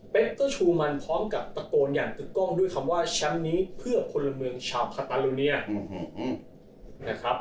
เป็นเจ้าชูมันพร้อมกับตะโกนอย่างตึกกล้องด้วยคำว่าแชมป์นี้เพื่อคนละเมืองชาวคาตาลูเนียนะครับ